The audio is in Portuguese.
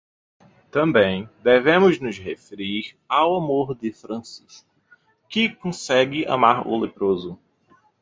Também devemos nos referir ao amor de Francisco, que consegue amar o leproso.